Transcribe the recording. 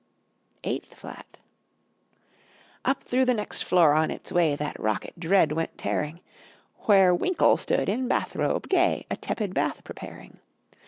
[Illustration: SEVENTH FLAT] EIGHTH FLAT Up through the next floor on its way That rocket, dread, went tearing Where Winkle stood in bath robe, gay, A tepid bath preparing.